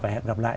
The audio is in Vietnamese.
và hẹn gặp lại